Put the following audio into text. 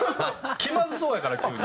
気まずそうやから急に。